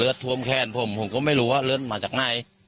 เลือดทวมแค่นผมผมก็ไม่รู้ว่าเลือดมันมาจากไหน